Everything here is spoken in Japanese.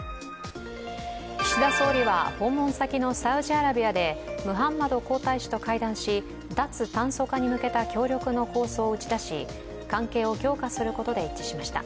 岸田総理は訪問先のサウジアラビアでムハンマド皇太子と会談し、脱炭素化に向けた協力の構想を打ち出し、関係を強化することで一致しました。